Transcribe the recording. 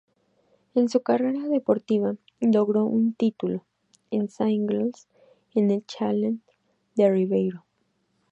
En su carrera deportiva, logró un título: en singles en el "challenger" de Ribeirão.